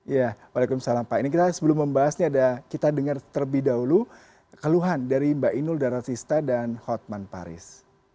waalaikumsalam pak ini kita sebelum membahasnya kita dengar terlebih dahulu keluhan dari mbak indul daratista dan hotman paris